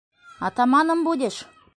Атаманом будешь!